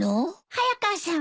早川さんは？